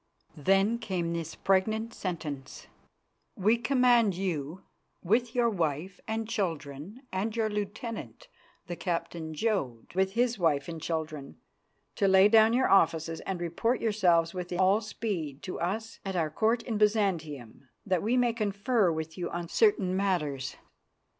Then came this pregnant sentence: "We command you, with your wife and children and your lieutenant, the Captain Jodd, with his wife and children, to lay down your offices and report yourselves with all speed to Us at our Court of Byzantium, that we may confer with you on certain matters.